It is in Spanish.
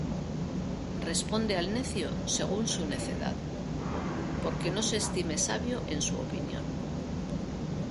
Responde al necio según su necedad, Porque no se estime sabio en su opinión.